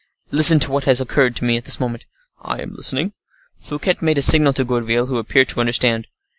Listen to what has occurred to me at this moment." "I am listening." Fouquet made a sign to Gourville, who appeared to understand.